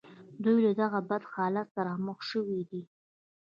دوی له دغه بد حالت سره مخ شوي دي